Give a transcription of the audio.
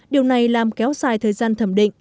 điều này làm kéo dài thời gian thẩm định